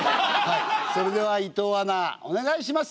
それでは伊藤アナお願いします。